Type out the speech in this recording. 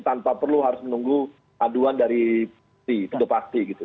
tanpa perlu harus menunggu aduan dari itu sudah pasti gitu